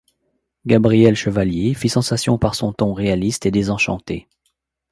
Gabriel Chevallier fit sensation par son ton réaliste et désenchanté.